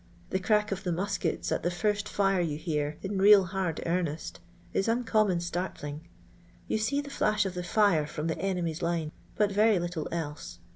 The crack of the muskets at tbe first fire jrou hear in real hsird earnest is uncommon startling ; you see the fiash of the fire from the enemy's line, but very little else.